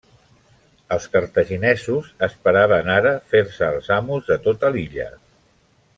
Els cartaginesos esperaven ara fer-se els amos de tota l'illa.